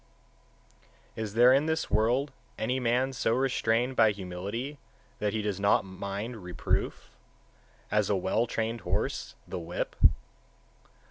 Is there in this world any man so restrained by humility that he does not mind reproof, as a well trained horse the whip?